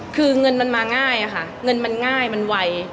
คือเงินมันมาง่ายค่ะเงินมันง่ายมันไว